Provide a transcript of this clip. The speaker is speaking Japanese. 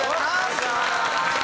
お願いします！